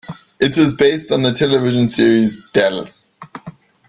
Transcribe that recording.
It is based on the television series "Dallas".